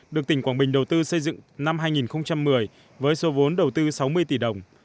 được tỉnh quảng bình đầu tư xây dựng năm hai nghìn một mươi với số vốn đầu tư sáu mươi tỷ đồng